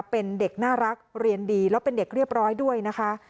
เป็นเด็กน่ารักเรียนดีแล้วเป็นเด็กเรียบร้อยด้วยนะคะ